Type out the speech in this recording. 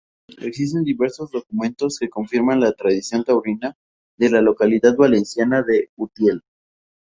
Existen diversos documentos que confirman la tradición taurina de la localidad valenciana de Utiel.